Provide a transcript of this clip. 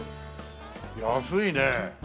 安いね。